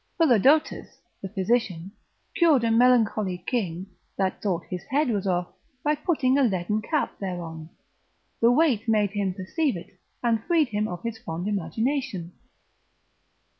Philodotus, the physician, cured a melancholy king, that thought his head was off, by putting a leaden cap thereon; the weight made him perceive it, and freed him of his fond imagination.